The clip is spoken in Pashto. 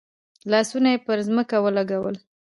لاسونه یې پر ځمکه ولګول.